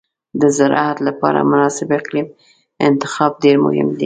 د زراعت لپاره مناسب اقلیم انتخاب ډېر مهم دی.